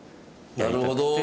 なるほど。